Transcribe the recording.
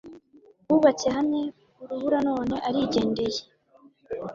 Bubatse hamwe urubura none arijyendeye